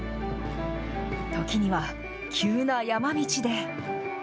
時には、急な山道で。